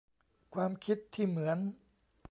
ความคิดที่เหมือน